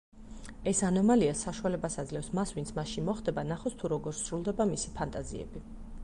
ეს ანომალია საშუალებას აძლევს მას ვინც მასში მოხდება ნახოს თუ როგორ სრულდება მისი ფანტაზიები.